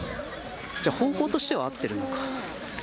じゃ方向としては合ってるのか。